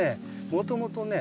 もともとね